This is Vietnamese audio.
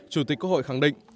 chủ tịch quốc hội khẳng định